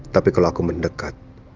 tapi kalau aku mendekat